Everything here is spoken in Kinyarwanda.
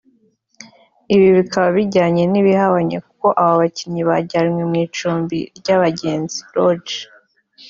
Ibi bikaba bihabanye n’ibyabaye kuko aba bakinnyi bajyanywe mu icumbi ry'abagenzi (Lodge)